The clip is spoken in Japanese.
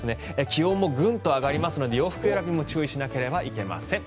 気温もグンと上がるので洋服選びも注意しなければいけません。